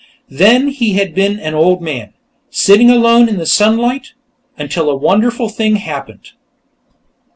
Then he had been an old man, sitting alone in the sunlight ... until a wonderful thing had happened.